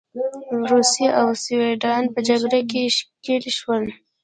روسیې او سوېډن په جګړه کې ښکیل شول.